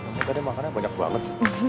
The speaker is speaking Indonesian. mbak ada makannya banyak banget